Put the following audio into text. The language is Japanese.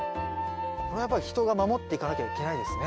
これは、やっぱり人が守っていかなきゃいけないですね。